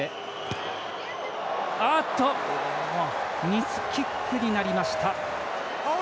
ミスキックになりました。